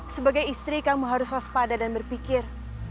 sebagai istri kamu harus waspada dan berpikir